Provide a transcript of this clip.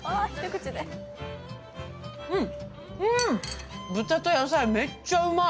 うん、豚と野菜めっちゃうまい。